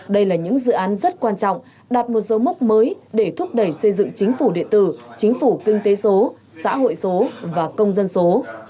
đây là những dự án rất quan trọng đạt một số mốc mới để thúc đẩy xây dựng chính phủ điện tử chính phủ kinh tế số xã hội số và công dân số